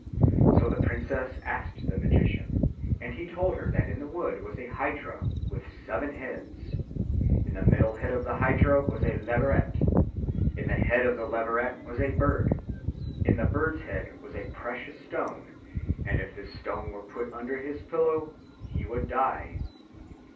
So the princess asked the magician, and he told her that in the wood was a hydra with seven heads; in the middle head of the hydra was a leveret, in the head of the leveret was a bird, in the bird's head was a precious stone, and if this stone were put under his pillow he would die.